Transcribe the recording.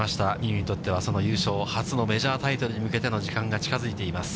有にとっては、その優勝、初のメジャータイトルに向けての時間が近づいています。